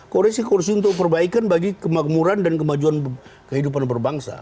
koreksi koreksi untuk perbaikan bagi kemakmuran dan kemajuan kehidupan berbangsa